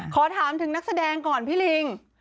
ขอถามถึงนักแสดงก่อนพี่ลิง